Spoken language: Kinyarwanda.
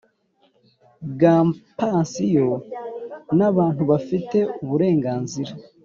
bwa pansiyo n abantu bafite uburenganzira